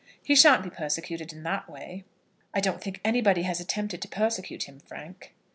He sha'n't be persecuted in that way." "I don't think anybody has attempted to persecute him, Frank."